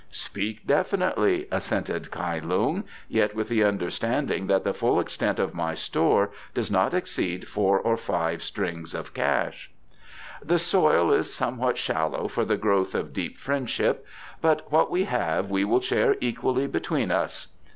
"Speak definitely," assented Kai Lung, "yet with the understanding that the full extent of my store does not exceed four or five strings of cash." "The soil is somewhat shallow for the growth of deep friendship, but what we have we will share equally between us."